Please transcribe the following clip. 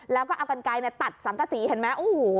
แล้วก็เอากันไก่เนี่ยตัดสำกัดสีเห็นไหมโอ้โห